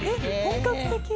本格的！